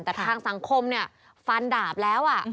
แต่ทางสังคมเนี่ยฟันดาบแล้ว